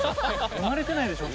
生まれてないでしょ